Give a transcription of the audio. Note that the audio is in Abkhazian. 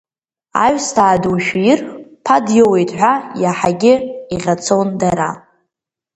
Аҩсҭаа душәиир ԥа диоуеит ҳәа, иаҳагьы иӷьацон дара.